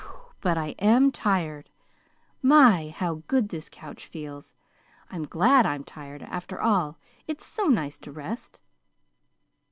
"But I AM tired. My! how good this couch feels! I'm glad I'm tired, after all it's so nice to rest."